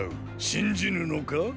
信じぬのか？